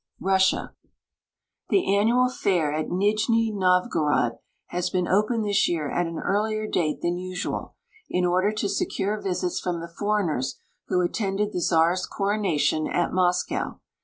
KrssiA. The annual fair at Nijni Nov'gorod has been opened this j'ear at an earlier date than usual, in order to secure visits from the foreigners who attended the czar's coronation at ^loscow.